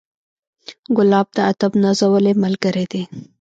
ګلاب د ادب نازولی ملګری دی.